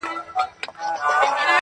تندي ته مي سجدې راځي چي یاد کړمه جانان٫